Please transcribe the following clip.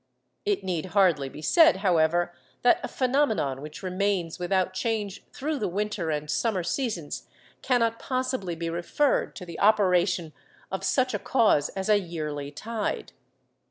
It need hardly be said, however, that a phenomenon which remains without change through the winter and summer seasons cannot possibly be referred to the operation of such a cause as a yearly tide.